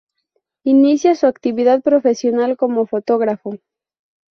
Inicia su actividad profesional como fotógrafo.